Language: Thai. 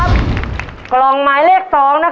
ภายในเวลา๓นาที